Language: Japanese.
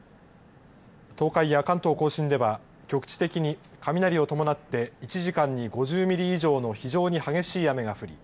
東海や関東甲信では局地的に雷を伴って１時間に５０ミリ以上の非常に激しい雨が降り